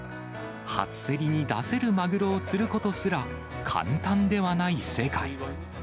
初競りに出せるマグロを釣ることすら、簡単ではない世界。